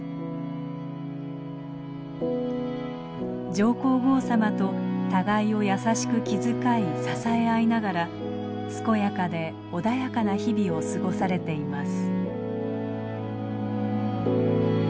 上皇后さまと互いを優しく気遣い支え合いながら健やかで穏やかな日々を過ごされています。